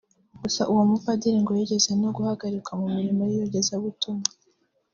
Gusa uwo mupadiri ngo yigeze no guhagarikwa mu mirimo y’iyogezabutumwa